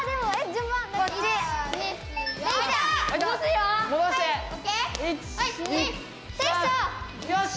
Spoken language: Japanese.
よし！